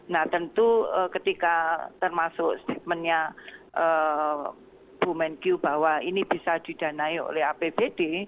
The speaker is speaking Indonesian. nah tentu ketika termasuk statementnya bu menkyu bahwa ini bisa didanai oleh apbd